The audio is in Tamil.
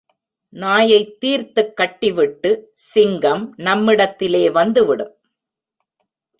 நாயைத் தீர்த்துக் கட்டிவிட்டு, சிங்கம் நம்மிடத்திலே வந்துவிடும்.